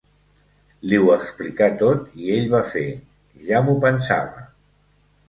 Li ho explicà tot, i ell va fer: "Ja m'ho pensava!"